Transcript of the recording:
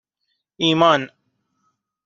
ایمان